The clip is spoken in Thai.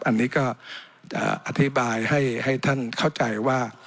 อันนี้ก็จะอธิบายให้ท่านเข้าใจว่า